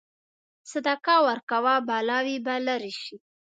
صدقه ورکوه، بلاوې به لرې شي.